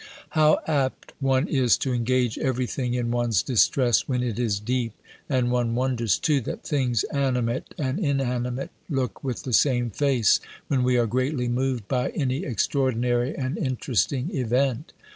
How apt one is to engage every thing in one's distress, when it is deep! and one wonders too, that things animate and inanimate look with the same face, when we are greatly moved by any extraordinary and interesting event.